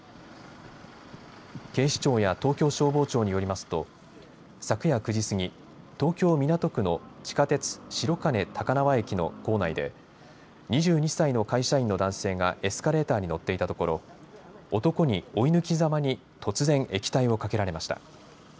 警視庁や東京消防庁によりますと昨夜９時過ぎ、東京港区の地下鉄白金高輪駅の構内で２２歳の会社員の男性がエスカレーターに乗っていたところ男に追い抜きざまに突然液体をかけられました。